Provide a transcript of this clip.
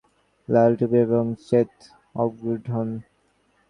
তাঁহার মাথায় কাশ্মীরীনারী-সুলভ লাল টুপী এবং শ্বেত অবগুণ্ঠন।